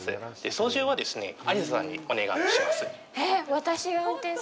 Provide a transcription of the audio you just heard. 操縦は、アリサさんにお願いします。